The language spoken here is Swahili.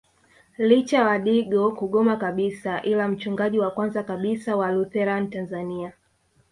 Licha wadigo kugoma kabisa ila mchungaji wa kwanza kabisa wa Lutheran Tanzania